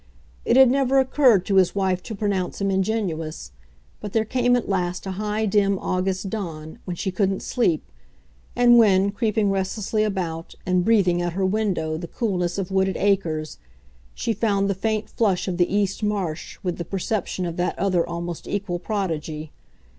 It had never occurred to his wife to pronounce him ingenuous, but there came at last a high dim August dawn when she couldn't sleep and when, creeping restlessly about and breathing at her window the coolness of wooded acres, she found the faint flush of the east march with the perception of that other almost equal prodigy.